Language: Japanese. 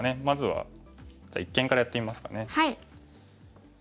まずはじゃあ一間からやってみますかね。